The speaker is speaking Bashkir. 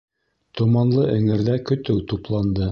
Томанлы эңерҙә көтөү тупланды.